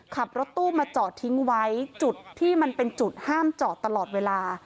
ขับรถตู้มาจอดทิ้งไว้จุดที่มันเป็นจุดห้ามจอดตลอดเวลา